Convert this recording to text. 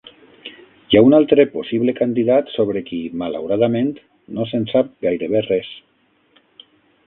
Hi ha un altre possible candidat, sobre qui, malauradament, no se'n sap gairebé res.